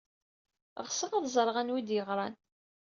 Ɣseɣ ad ẓreɣ anwa ay d-yeɣran.